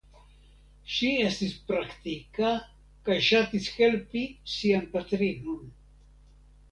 Ŝi estis praktika kaj ŝatis helpi sian patrinon.